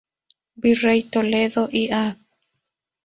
Virrey Toledo y Av.